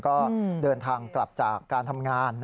ก็เดินทางกลับจากการทำงาน